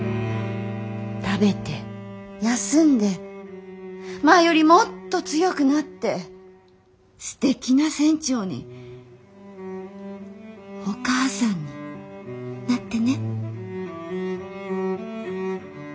食べて休んで前よりもっと強くなってすてきな船長にお母さんになってね。